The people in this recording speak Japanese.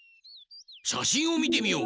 しゃしんをみてみよう！